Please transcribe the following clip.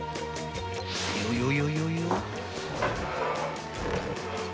［よよよよよ？］